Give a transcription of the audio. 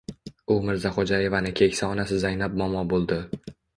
U Mirzaxo‘jaevani keksa onasi Zaynab momo bo‘ldi.